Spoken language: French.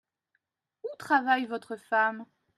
Où travaille votre femme ?